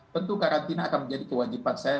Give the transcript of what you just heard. tentu karantina akan menjadi kewajiban saya